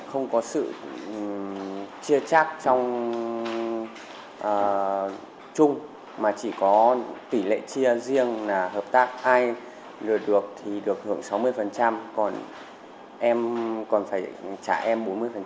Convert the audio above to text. không có sự chia chắc trong chung mà chỉ có tỷ lệ chia riêng là hợp tác ai lừa được thì được hưởng sáu mươi còn em còn phải trả em bốn mươi